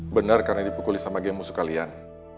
benar karena dipukuli sama geng musuh kalian